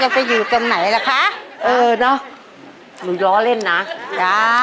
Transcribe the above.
ไปอยู่ตรงไหนล่ะคะเออเนอะหนูล้อเล่นนะจ๊ะ